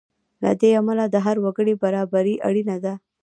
له دې امله د هر وګړي برابري اړینه ده.